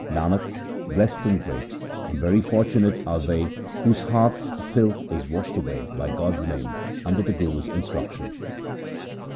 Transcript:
Nanak, blessed, and great, and very fortunate are they whose hearts' filth is washed away by God's name under the Guru's instruction.